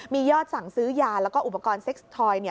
มียอดสั่งซื้อยาแล้วก็อุปกรณ์เซ็กซ์ทอย